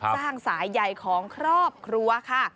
สายใหญ่ของครอบครัวค่ะ